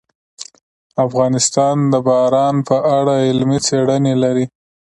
افغانستان د باران په اړه علمي څېړنې لري.